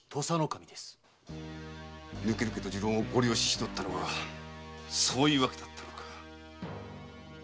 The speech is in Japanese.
ぬけぬけと持論をごり押ししたはそういう訳だったのか！